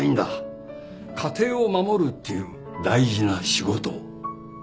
家庭を守るっていう大事な仕事を。